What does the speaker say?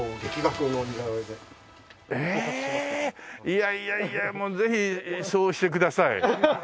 いやいやいやもうぜひそうしてください。